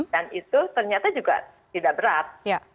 dan itu ternyata juga tidak berat